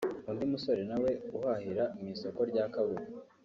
undi musore nawe uhahira mu isoko rya Kabuga